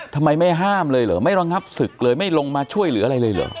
ทำไมไม่ห้ามเลยเหรอไม่ระงับศึกเลยไม่ลงมาช่วยเหลืออะไรเลยเหรอ